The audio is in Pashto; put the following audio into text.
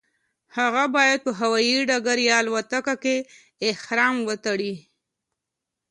هغه باید په هوایي ډګر یا الوتکه کې احرام وتړي.